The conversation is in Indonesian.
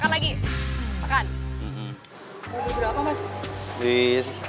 kamu beli berapa mas